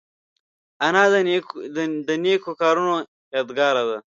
انا د نیکو کارونو یادګار ده